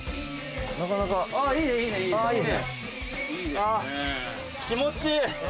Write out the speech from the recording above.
あぁ気持ちいい。